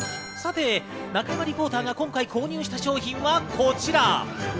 中山リポーターが今回購入した商品はこちら。